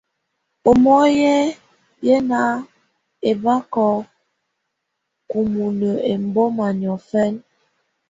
Ɛ́mɔ̀á yɛ́ ná ɛbákɔ́ kumunǝ ɛmbɔ́ma niɔ̀fɛ́na.